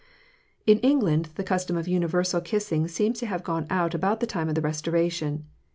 In England the custom of universal kissing seems to have gone out about the time of the Restoration.